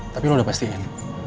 tapi lo udah pastiin